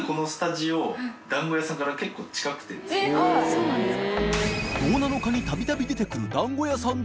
そうなんですか？